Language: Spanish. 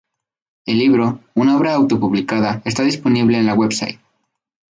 El libro, una obra auto publicada, está disponible en su website.